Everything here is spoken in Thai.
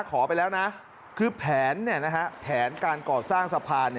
ขอไปแล้วนะคือแผนแผนการก่อสร้างสะพาน